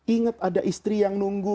ingat ada istri yang nunggu